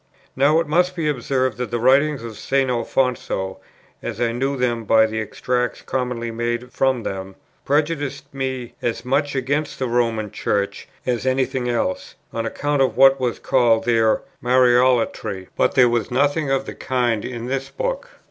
Now it must be observed that the writings of St. Alfonso, as I knew them by the extracts commonly made from them, prejudiced me as much against the Roman Church as any thing else, on account of what was called their "Mariolatry;" but there was nothing of the kind in this book.